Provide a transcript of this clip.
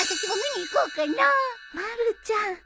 まるちゃん。